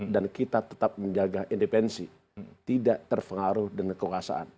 dan kita tetap menjaga independensi tidak terpengaruh dengan kekuasaan